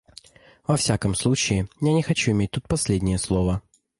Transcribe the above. Во всяком случае, я не хочу иметь тут последнее слово.